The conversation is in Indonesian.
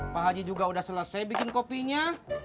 pak haji juga sudah selesai bikin kopinya